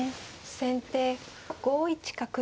先手５一角。